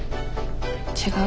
違う？